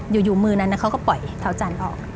อยู่มือนั้นเขาก็ปล่อยเท้าจันทร์ออก